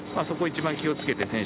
そこを一番気をつけて。